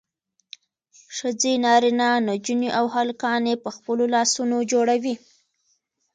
ښځې نارینه نجونې او هلکان یې په خپلو لاسونو جوړوي.